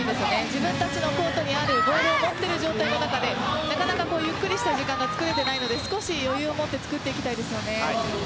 自分たちのコートにあるボールを持っている状態の中でなかなかゆっくりした時間が作れていないので少し余裕を持って作っていきたいです。